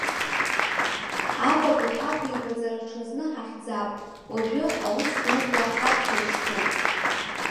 Апату ҳақәибаҵара ҽазны ҳахьӡап, уажәы аус дуқәа ҳаԥхьа ишьҭоуп.